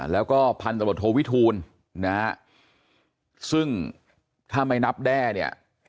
แล้วก็พันตำรวจโทวิทูลนะฮะซึ่งถ้าไม่นับแด้เนี่ย